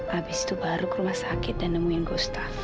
habis itu baru ke rumah sakit dan nemuin gustaf